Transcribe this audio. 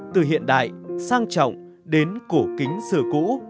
từ hiện đại sang trọng đến cổ kính sửa cũ